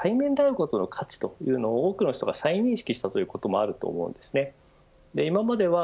一方で、対面で会うことの価値というのを多くの人が再認識したということもあると思うんですね。